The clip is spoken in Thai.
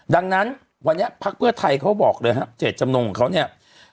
ดังนั้นวันนี้พักเพื่อไทยเขาบอกเลยครับเจตจำนงของเขาเนี่ย